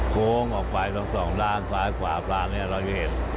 โค้งออกไปทั้งสองด้านซ้ายขวาด้านนี้เราจะเห็น